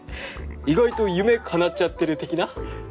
意外と夢かなっちゃってる的な？